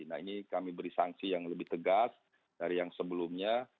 nah ini kami beri sanksi yang lebih tegas dari yang sebelumnya